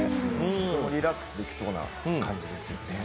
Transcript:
リラックスしそうな感じですよね。